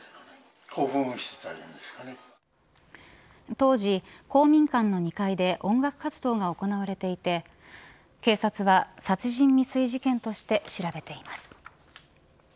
当時、公民館の２階で音楽活動が行われていて警察は殺人未遂事件として調べています。